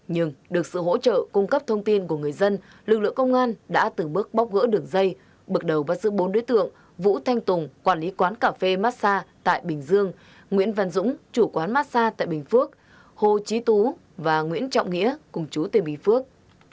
nhưng được sự hỗ trợ cung cấp thông tin của người dân lực lượng công an đã từng bước bóc gỡ đường dây bực đầu vào sự bốn đối tượng vũ thanh tùng quản lý quán cà phê massa tại bình dương nguyễn văn dũng chủ quán massa tại bình phước hồ trí tú và nguyễn trọng nghĩa cùng chú tên bình phước